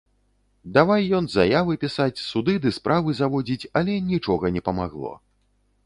Давай ён заявы пісаць, суды ды справы заводзіць, але нічога не памагло.